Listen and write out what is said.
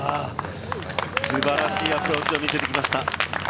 素晴らしいアプローチを見せてきました。